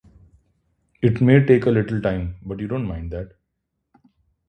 It may take a little time, but you don't mind that.